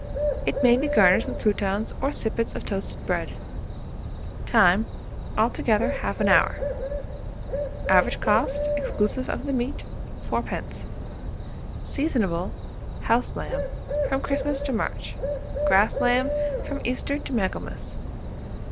It may be garnished with croutons or sippets of toasted bread. Time. Altogether 1/2 hour. Average cost, exclusive of the meat, 4d. Seasonable, house lamb, from Christmas to March; grass lamb, from Easter to Michaelmas.